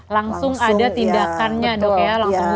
langsung ada tindakannya dok ya